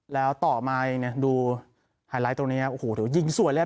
แล้วต่อมาเองเนี่ยดูไฮไลท์ตรงนี้โอ้โหดูยิงสวยเลย